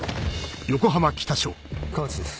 河内です